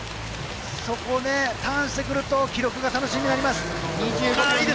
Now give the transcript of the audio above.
そこでターンしてくると記録が楽しみになります。